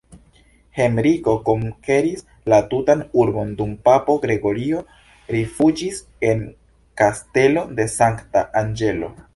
Henriko konkeris la tutan urbon dum papo Gregorio rifuĝis en Kastelo de Sankta Anĝelo.